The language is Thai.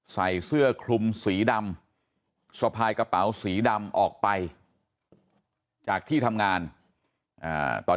ใส่เสื้อคลุมสีดำสะพายกระเป๋าสีดำออกไปจากที่ทำงานตอน